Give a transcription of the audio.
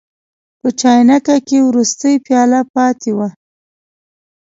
په چاینکه کې وروستۍ پیاله پاتې وه.